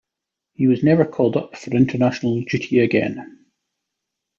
He was never called up for international duty again.